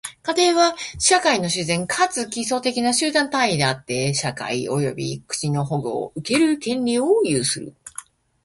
家庭は、社会の自然かつ基礎的な集団単位であって、社会及び国の保護を受ける権利を有する。